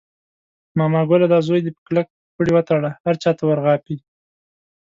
ماما ګله دا زوی دې په کلک پړي وتړله، هر چاته ور غاپي.